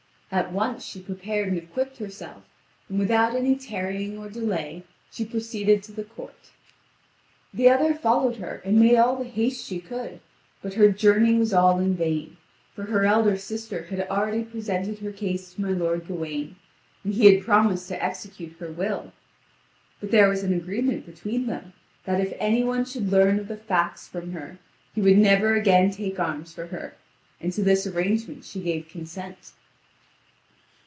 At once she prepared and equipped herself, and without any tarrying or delay, she proceeded to the court. The other followed her, and made all the haste she could; but her journey was all in vain, for her eider sister had already presented her case to my lord Gawain, and he had promised to execute her will. But there was an agreement between them that if any one should learn of the facts from her, he would never again take arms for her, and to this arrangement she gave consent.